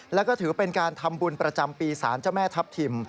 แล้วก็ถือเป็นการทำบุญประจำปีศาลเจ้าแม่ทัพทิม